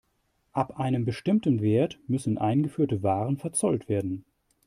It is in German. Ab einem bestimmten Wert müssen eingeführte Waren verzollt werden.